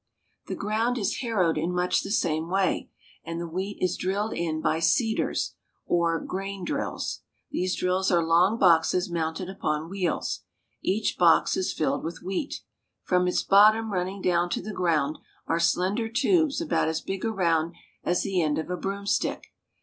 The ground is harrowed in much the same way, and the wheat is drilled in by seeders, or grain drills. These drills are long boxes mounted upon wheels. Each box is filled with wheat. From its bottom running down ' '^'^'^^fB^uM'^^^l^^^'ms, ^^ ^h^ ground are slender tubes about as big around as the end of a broom stick.